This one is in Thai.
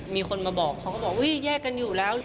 มีคนมาบอกเขาก็บอกแยกกันอยู่แล้ว